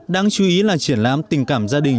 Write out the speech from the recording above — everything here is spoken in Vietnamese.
đáng chú ý là triển lãm tình cảm gia đình